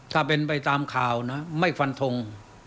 ถ้าเป็นไปตามข่าวนะไม่ฟันทง